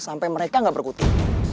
sampai mereka gak berkuti